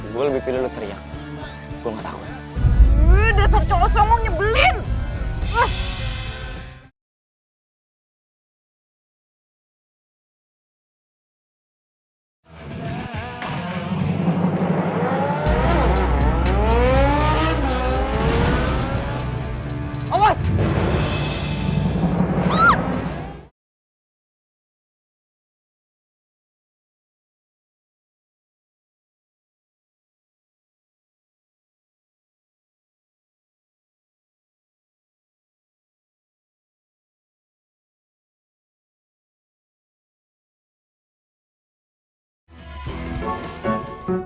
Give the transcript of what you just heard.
gue lebih pilih lo teriak gue gak takut